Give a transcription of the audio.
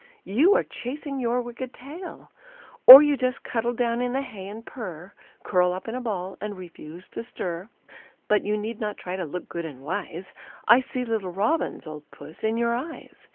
you are chasing your wicked tail. Or you just cuddle down in the hay and purr, Curl up in a ball, and refuse to stir, But you need not try to look good and wise: I see little robins, old puss, in your eyes.